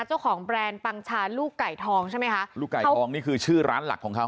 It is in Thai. แบรนด์ปังชาลูกไก่ทองใช่ไหมคะลูกไก่ทองนี่คือชื่อร้านหลักของเขา